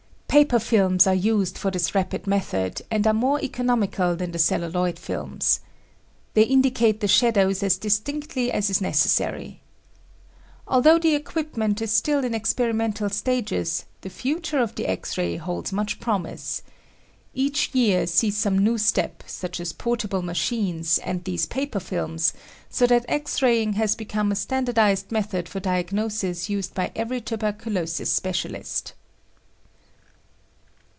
Paper films are used for this rapid method and are more economical than the celluloid films. They indicate the shadows as distinctly as is necessary. Although the equipment is still in experimental stages the future of the X ray holds much promise. Each year sees some new step, such as portable machines and these paper films, so that X raying has become a standardized method for diagnosis used by every tuberculosis specialist.